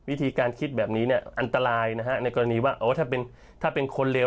วิธีการคิดแบบนี้เนี่ยอันตรายนะฮะในกรณีว่าถ้าเป็นคนเร็ว